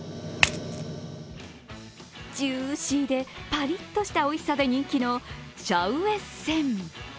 ジューシーでパリッとしたおいしさで人気のシャウエッセン。